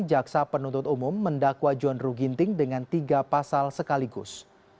jaksa penuntut umum mendakwa john ruh ginting dengan tiga pasal sekaligus